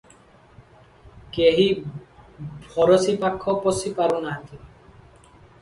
କେହି ଭରସି ପାଖ ପଶି ପାରୁନାହିଁ ।